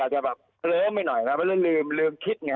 จะเริ่มอย่างหน่อย